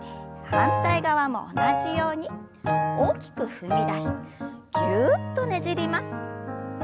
反対側も同じように大きく踏み出してぎゅっとねじります。